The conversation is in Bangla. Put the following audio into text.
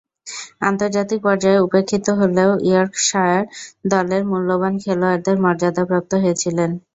আন্তর্জাতিক পর্যায়ে উপেক্ষিত হলেও ইয়র্কশায়ার দলের মূল্যবান খেলোয়াড়ের মর্যাদাপ্রাপ্ত হয়েছিলেন।